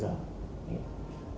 không tổn thương